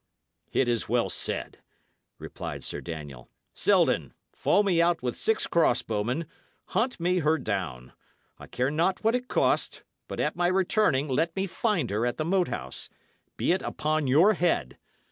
"It is well said," replied Sir Daniel. "Selden, fall me out with six cross bowmen; hunt me her down. I care not what it cost; but, at my returning, let me find her at the Moat House. Be it upon your head.